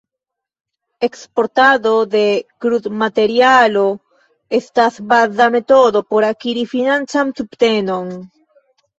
Eksportado de krudmaterialo estas baza metodo por akiri financan subtenon.